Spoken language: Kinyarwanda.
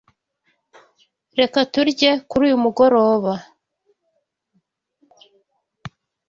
Reka turye kuri uyu mugoroba.